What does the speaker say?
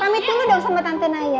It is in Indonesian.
pamit dulu dong sama tante naya